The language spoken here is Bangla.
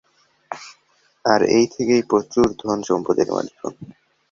আর এই থেকেই প্রচুর ধন-সম্পদের মালিক হন।